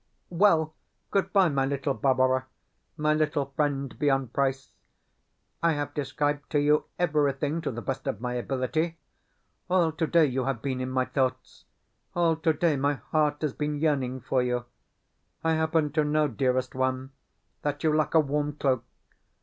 Well, good bye, my little Barbara, my little friend beyond price. I have described to you everything to the best of my ability. All today you have been in my thoughts; all today my heart has been yearning for you. I happen to know, dearest one, that you lack a warm cloak.